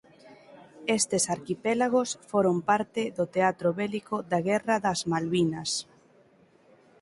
Estes arquipélagos foron parte do teatro bélico da Guerra das Malvinas.